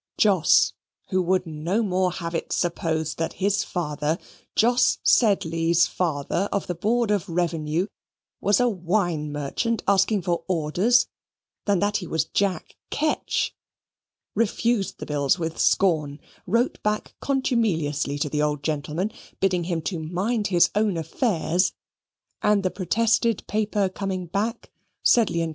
Jos, who would no more have it supposed that his father, Jos Sedley's father, of the Board of Revenue, was a wine merchant asking for orders, than that he was Jack Ketch, refused the bills with scorn, wrote back contumeliously to the old gentleman, bidding him to mind his own affairs; and the protested paper coming back, Sedley and Co.